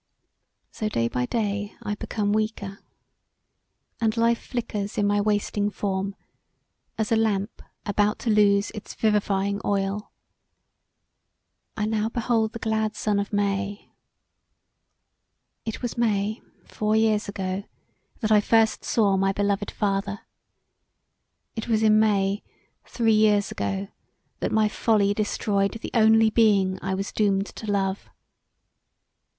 So day by day I become weaker, and life flickers in my wasting form, as a lamp about to loose it vivifying oil. I now behold the glad sun of May. It was May, four years ago, that I first saw my beloved father; it was in May, three years ago that my folly destroyed the only being I was doomed to love.